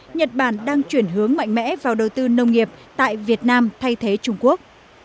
nhật bản đang chuyển hướng mạnh mẽ vào đầu tư nông nghiệp tại việt nam thay thế trung quốc